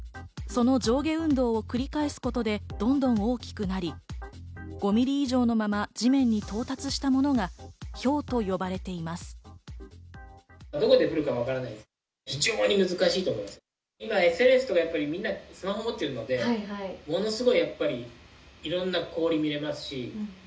その上下運動を繰り返すことでどんどん大きくなり、５ミリ以上のまま地面に到達したものが、ひょうと呼ばれています。